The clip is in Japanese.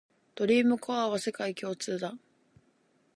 ドリームコアは世界共通だ